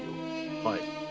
はい。